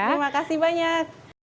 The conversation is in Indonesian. terima kasih banyak